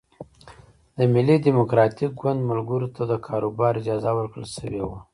د ملي ډیموکراتیک ګوند ملګرو ته د کاروبار اجازه ورکړل شوې وه.